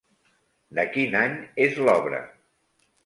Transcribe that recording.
De quin any és l'obra?